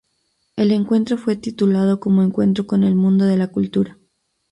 El encuentro fue titulado como Encuentro con el Mundo de la Cultura.